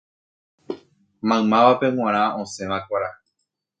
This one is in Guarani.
Maymávape g̃uarã osẽva kuarahy